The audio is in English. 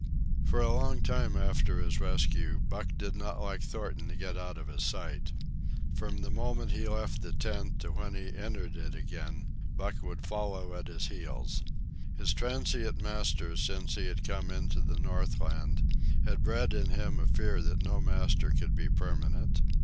For a long time after his rescue, Buck did not like Thornton to get out of his sight. From the moment he left the tent to when he entered it again, Buck would follow at his heels. His transient masters since he had come into the Northland had bred in him a fear that no master could be permanent.